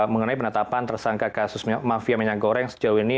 mengenai penetapan tersangka kasus mafia minyak goreng sejauh ini